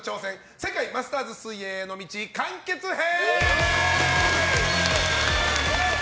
世界マスターズ水泳への道完結編！